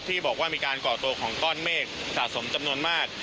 ที่บอกว่ามีการก่อตัวของก้อนเมฆสะสมจำนวนมาก